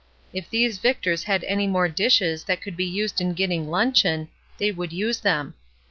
If these Victors had any more dishes that could be used in getting luncheon, they would use them.